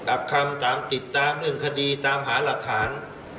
อับคำติดตามเองคดีตามหาระหรับฐาน